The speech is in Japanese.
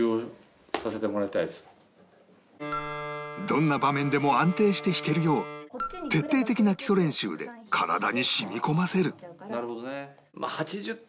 どんな場面でも安定して弾けるよう徹底的な基礎練習で体に染み込ませる